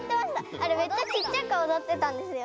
あれめっちゃちっちゃくおどってたんですよ。